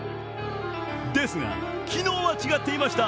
ですが、昨日は違っていました。